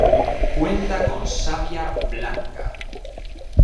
Cuenta con savia blanca.